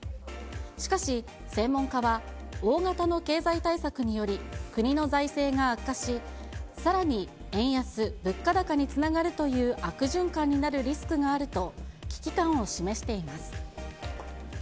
しかし、専門家は、大型の経済対策により、国の財政が悪化し、さらに円安・物価高につながるという悪循環になるリスクがあると、危機感を示しています。